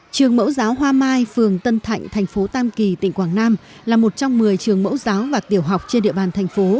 trường mẫu giáo hoa mai phường tân thạnh thành phố tam kỳ tỉnh quảng nam là một trong một mươi trường mẫu giáo và tiểu học trên địa bàn thành phố